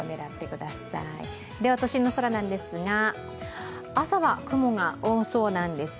都心の空なんですが朝は雲が多そうなんです。